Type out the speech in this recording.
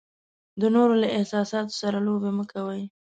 د نورو له احساساتو سره لوبې مه کوئ.